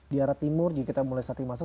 di arah timur jadi kita mulai satu yang masuk